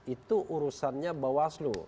itu urusannya bawaslu